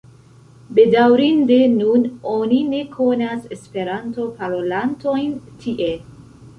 Bedaŭrinde nun oni ne konas Esperanto-parolantojn tie.